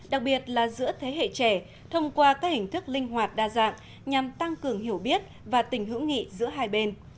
đặc biệt là giữa thế hệ trẻ thông qua các hình thức linh hoạt đa dạng nhằm tăng cường hiểu biết và tình hữu nghị giữa hai bên